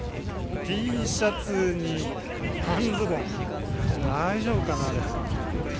Ｔシャツに半ズボン、大丈夫かな、あれ。